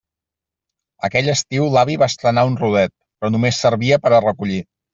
Aquell estiu l'avi va estrenar un rodet, però només servia per a recollir.